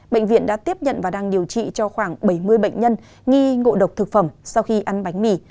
bệnh viện đã tiếp nhận và đang điều trị cho khoảng bảy mươi bệnh nhân nghi ngộ độc thực phẩm sau khi ăn bánh mì